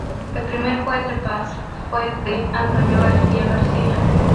El primer juez de paz fue D. Antonio García García.